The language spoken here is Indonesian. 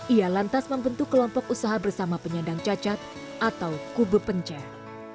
ia lantas membentuk kelompok usaha bersama penyandang cacat atau kube pencer